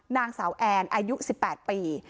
นางสาวแอนอายุ๑๘ปี